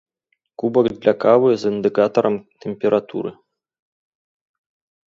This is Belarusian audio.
Кубак для кавы з індыкатарам тэмпературы.